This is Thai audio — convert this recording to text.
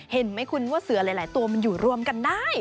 เห็นไหมคุณว่าเสือหลายตัวมันอยู่รวมกันได้